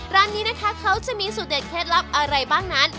ร้านนี้นะคะเขาจะมีสูตรเด็ดเคล็ดลับอะไรบ้างนั้น